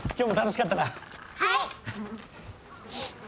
はい！